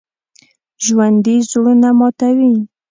ژوندي زړونه ماتوي